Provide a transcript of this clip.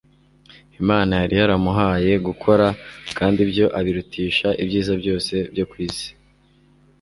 imana yari yaramuhaye gukora, kandi ibyo abirutisha ibyiza byose byo ku isi